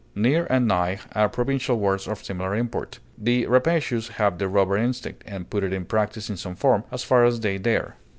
Near and nigh are provincial words of similar import. The rapacious have the robber instinct, and put it in practise in some form, as far as they dare.